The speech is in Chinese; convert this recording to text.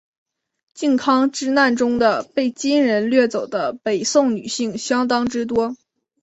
靖康之难中的被金人掠走的北宋女性相当之多。